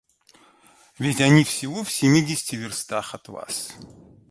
Ведь они всего в семидесяти верстах от вас.